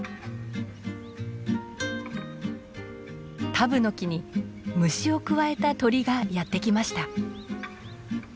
タブノキに虫をくわえた鳥がやって来ました。